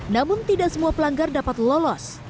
namun tidak semua pelanggar dapat lolos